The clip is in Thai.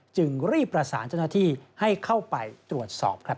จึงรีบประสานเจ้าหน้าที่ให้เข้าไปตรวจสอบครับ